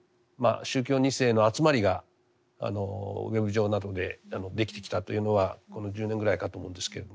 宗教２世の集まりがウェブ上などでできてきたというのはこの１０年ぐらいかと思うんですけれども。